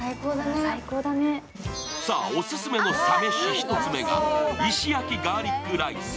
さあ、オススメのサ飯１つ目が石焼きガーリックライス。